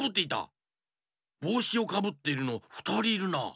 ぼうしをかぶってるのふたりいるな。